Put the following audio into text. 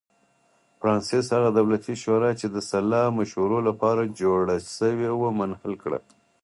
فرانسس هغه دولتي شورا چې د سلا مشورو لپاره جوړه شوې وه منحل کړه.